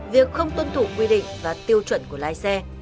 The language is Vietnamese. việc không tuân thủ quy định và tiêu chuẩn của lái xe